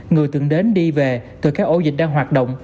người từng đến đi về từ các ổ dịch đang hoạt động